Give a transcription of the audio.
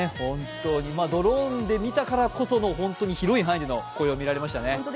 ドローンで見たからこその広い範囲での紅葉が見られましたね。